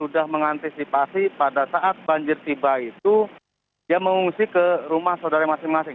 jadi mereka mengantisipasi pada saat banjir tiba itu dia mengungsi ke rumah saudara masing masing